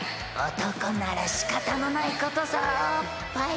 男ならしかたのないことさおっぱい。